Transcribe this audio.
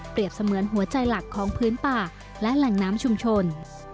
เสมือนหัวใจหลักของพื้นป่าและแหล่งน้ำชุมชน